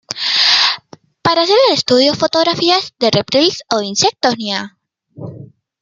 Para hacerlas estudio fotografías de reptiles o insectos.